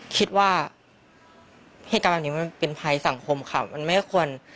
คิดว่าเหตุการณ์แบบนี้มันเป็นภัยสังคมค่ะมันไม่ควร